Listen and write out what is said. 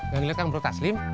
gak ngeliat kan bro taslim